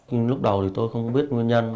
nhưng lúc đầu thì tôi không biết nguyên nhân